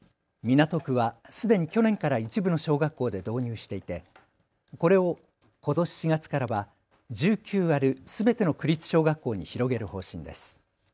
港区はすでに去年から一部の小学校で導入していて、これをことし４月からは１９あるすべての区立小学校に広げる方針です。